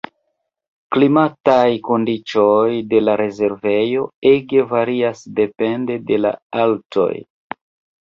Klimataj kondiĉoj de la rezervejo ege varias depende de la altoj.